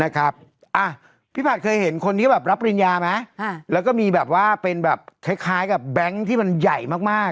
นะครับพี่ผัสเคยเห็นคนที่รับประลิญาไหมแล้วก็มีเป็นแบบคล้ายกับแบงค์ที่มันใหญ่มาก